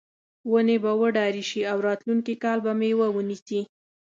ونې به وډارې شي او راتلونکي کال به میوه ونیسي.